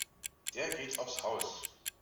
Der geht aufs Haus.